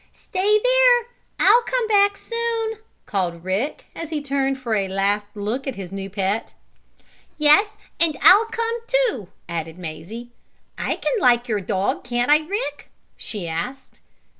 "Stay there! I'll come back soon!" called Rick, as he turned for a last look at his new pet. "Yes, and I'll come, too!" added Mazie. "I can like your dog; can't I, Rick?" she asked.